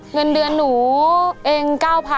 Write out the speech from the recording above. เงินเดือนหนูเอง๙๐๐๐